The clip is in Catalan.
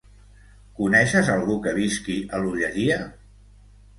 Coneixes algú que visqui a l'Olleria?